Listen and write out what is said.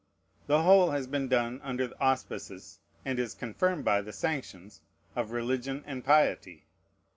The whole has been done under the auspices, and is confirmed by the sanctions, of religion and piety.